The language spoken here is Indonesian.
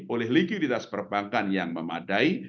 oleh likuiditas perbankan yang memadai